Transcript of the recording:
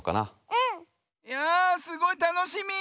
うん！やすごいたのしみ。